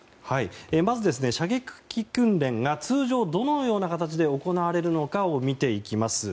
まず、射撃訓練が通常どのような形で行われるのかを見ていきます。